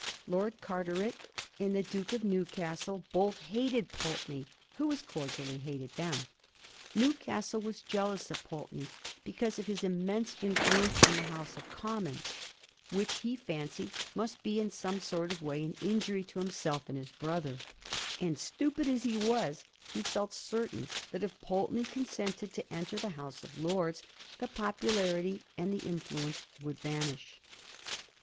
Lord Carteret and the Duke of Newcastle both hated Pulteney, who as cordially hated them. New castle was jealous of Pulteney because of his immense in fluence in the House of Commons, which he fancied must be in some sort of way an injury to himself and his brother; and, stupid as he was, he felt certain that if Pulteney con sented to enter the House of Lords the popularity and the influence would vanish.